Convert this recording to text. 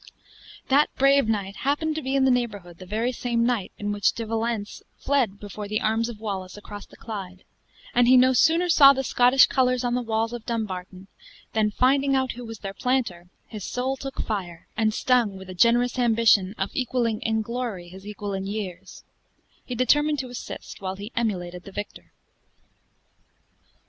That brave knight happened to be in the neighborhood the very same night in which De Valence fled before the arms of Wallace across the Clyde; and he no sooner saw the Scottish colors on the walls of Dumbarton, than, finding out who was their planter, his soul took fire; and stung with a generous ambition of equaling in glory his equal in years, he determined to assist, while he emulated the victor.